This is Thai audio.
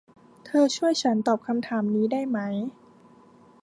เธอช่วยฉันตอบคำถามนี้ได้ไหม